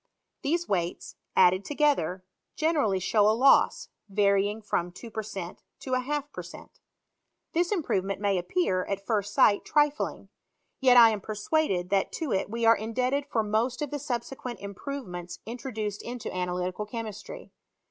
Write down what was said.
These weights, added toge ther, generally show a loss, varying from two per cent, to a half per cent. This improvement may a'p pear at first sight trifling ; yet I am persuaded that to it we are indebted for most of the subsequent im provements introduced into analytical chemistry.